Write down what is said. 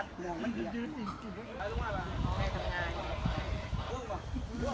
กลับมาเมื่อเวลาเมื่อเวลา